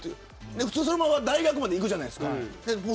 普通はそのまま大学までいくじゃないですか。